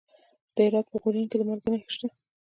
د هرات په غوریان کې د مالګې نښې شته.